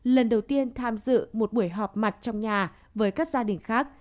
lần đầu tiên tham dự một buổi họp mặt trong nhà với các gia đình khác